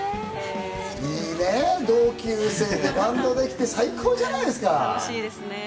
いいね、同級生でバンドできて、最高じゃないですか。